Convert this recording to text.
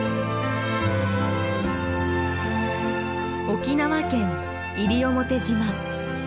沖縄県西表島。